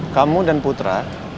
kamu dan putra